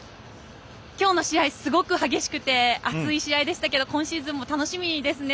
今日の試合、すごく激しくて熱い試合でしたが今シーズンも楽しみですね。